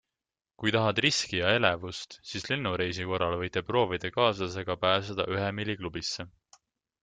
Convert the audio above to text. Kui tahad riski ja elevust, siis lennureisi korral võite proovida kaaslasega pääseda ühe miili klubisse.